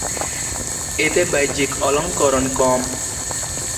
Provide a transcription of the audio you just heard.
এতে বাহ্যিক অলংকরণ কম।